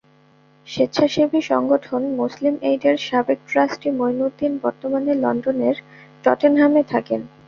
স্বেচ্ছাসেবী সংগঠন মুসলিম এইডের সাবেক ট্রাস্টি মুঈনুদ্দীন বর্তমানে লন্ডনের টটেনহামে থাকেন।